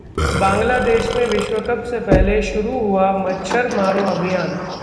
बांग्लादेश में विश्व कप से पहले शुरू हुआ ‘मच्छर मारो अभियान’